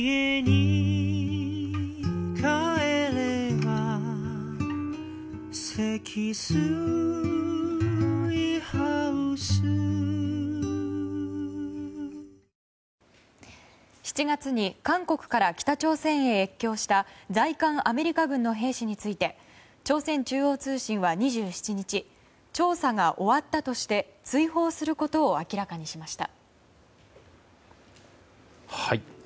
安心・安全なサッカー関係を考えていくきっかけが７月に韓国から北朝鮮へ越境した在韓アメリカ軍の兵士について朝鮮中央通信は２７日調査が終わったとして追放することを明らかにしました。